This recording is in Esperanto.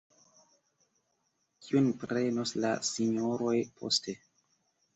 Kion prenos la Sinjoroj poste?